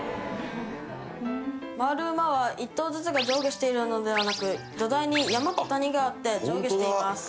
回る馬は１頭ずつが上下しているのではなく土台に山と谷があって上下しています。